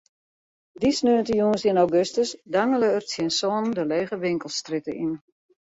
Dy sneontejûns yn augustus dangele er tsjin sânen de lege winkelstrjitte yn.